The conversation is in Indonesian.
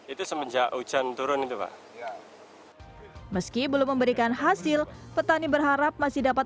itu semenjak hujan turun itu pak meski belum memberikan hasil petani berharap masih dapat